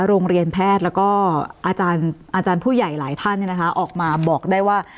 โรงเรียนแพทย์แล้วก็อาจารย์ผู้ใหญ่หลายท่านออกมาบอกได้ว่า